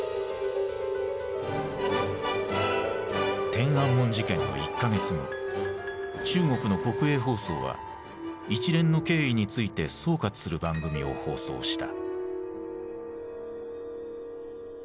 天安門事件の１か月後中国の国営放送は一連の経緯について総括する番組を放送した。